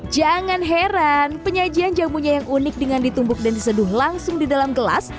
jangan heran penyajian jamunya yang unik dengan ditumbuk dan diseduh langsung di dalam gelas